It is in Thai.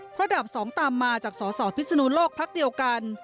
เพราะดาบ๒ตามมาจากสสพิศนุโลกพักเดียวกัน